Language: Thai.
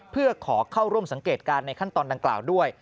เพื่อขอเข้าร่วมสังเกตการณ์ในขั้นตอนดังกล่าวด้วย